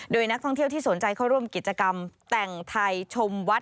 โดยนักท่องเที่ยวที่สนใจเข้าร่วมกิจกรรมแต่งไทยชมวัด